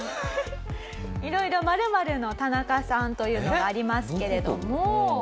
色々○○の田中さんというのがありますけれども。